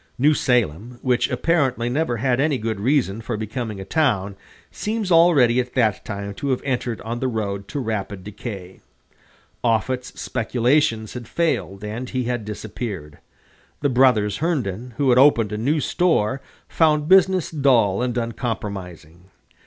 New Salem, which apparently never had any good reason for becoming a town, seems already at that time to have entered on the road to rapid decay. Offutt's speculations had failed, and he had disappeared. The brothers Herndon, who had opened a new store, found business dull and unpromising.